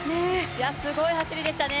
すごい走りでしたね。